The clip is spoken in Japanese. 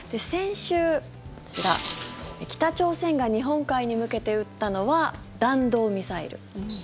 先週、北朝鮮が日本海に向けて撃ったのは弾道ミサイル。